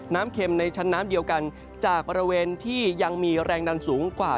เค็มในชั้นน้ำเดียวกันจากบริเวณที่ยังมีแรงดันสูงกว่า